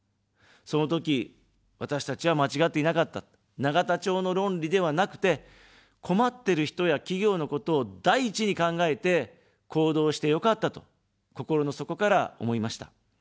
そのとき、私たちは間違っていなかった、永田町の論理ではなくて、困ってる人や企業のことを第一に考えて行動してよかったと、心の底から思いました。